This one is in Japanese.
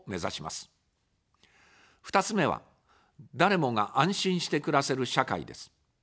２つ目は、誰もが安心して暮らせる社会です。